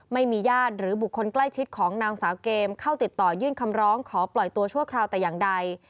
ไม่มีญาติหรือบุคคลใกล้ชิดของนางสาวเกมเข้าติดต่อยื่นคำร้องขอปล่อยตัวชั่วคราวแต่อย่างใด